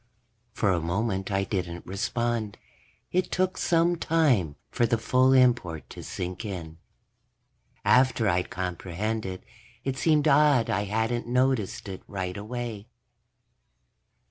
For a moment I didn't respond. It took some time for the full import to sink in. After I'd comprehended, it seemed odd I hadn't noticed it right away.